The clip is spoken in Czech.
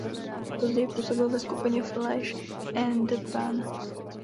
Později působil ve skupině Flash and the Pan.